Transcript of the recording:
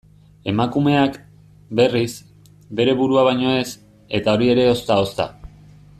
Emakumeak, berriz, bere burua baino ez, eta hori ere ozta-ozta.